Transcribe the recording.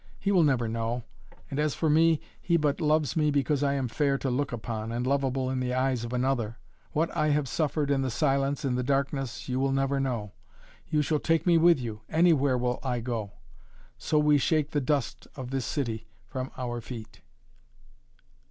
He will never know. And as for me he but loves me because I am fair to look upon, and lovable in the eyes of another. What I have suffered in the silence, in the darkness, you will never know. You shall take me with you anywhere will I go so we shake the dust of this city from our feet."